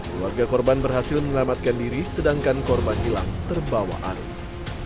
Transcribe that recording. keluarga korban berhasil menyelamatkan diri sedangkan korban hilang terbawa arus